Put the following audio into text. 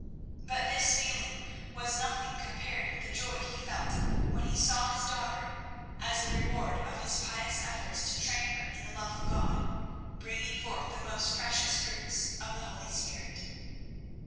But this feeling was nothing compared with the joy he felt when he saw his daughter, as the reward of his pious efforts to train her in the love of God, bringing forth the most precious fruits of the Holy Spirit.